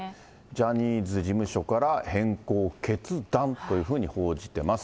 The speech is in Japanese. ジャニーズ事務所から変更決断というふうに報じてます。